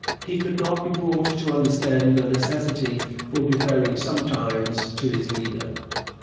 He could not be brought to understand the necessity for deferring sometimes to his leader.